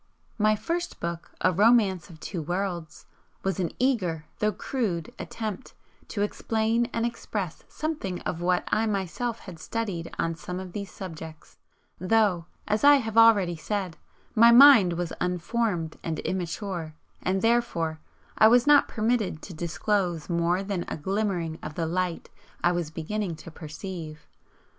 My first book, "A Romance of Two Worlds," was an eager, though crude, attempt to explain and express something of what I myself had studied on some of these subjects, though, as I have already said, my mind was unformed and immature, and, therefore, I was not permitted to disclose more than a glimmering of the light I was beginning to perceive.